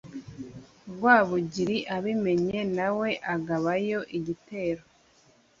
Rwabugili abimenye nawe agabayo igitero